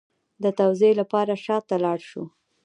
د توضیح لپاره شا ته لاړ شو